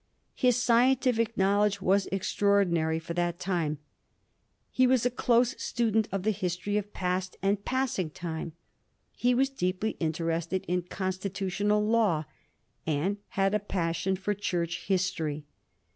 His scientific knowledge was extraordinary for that tune ; he was a close student of the history of past and passing time; he was deeply interested in constitu tional law, and had a passion for Church history.